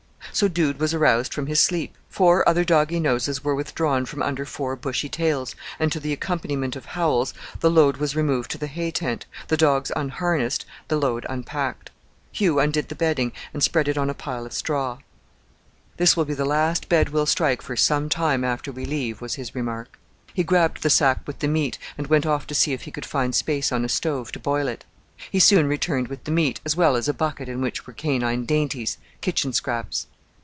So Dude was aroused from his sleep; four other doggy noses were withdrawn from under four bushy tails, and to the accompaniment of howls the load was removed to the hay tent, the dogs unharnessed, the load unpacked. Hugh undid the bedding and spread it on a pile of straw. "This will be the last bed we'll strike for some time after we leave here," was his remark. He grabbed the sack with the meat, and went off to see if he could find space on a stove to boil it. He soon returned with the meat, as well as a bucket in which were canine dainties kitchen scraps.